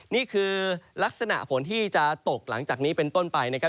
นี่คือลักษณะฝนที่จะตกหลังจากนี้เป็นต้นไปนะครับ